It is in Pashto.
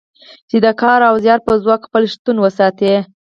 چې د کار او زیار په ځواک خپل شتون وساتي.